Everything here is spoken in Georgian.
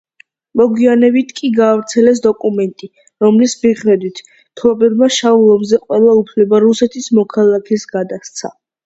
მოგვიანებით კი გაავრცელეს დოკუმენტი, რომლის მიხედვით, მფლობელმა „შავ ლომზე“ ყველა უფლება რუსეთის მოქალაქეს გადასცა.